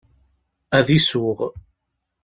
Ad isuɣ.